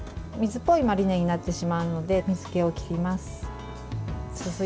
水っぽいマリネになってしまうので水けを切ります。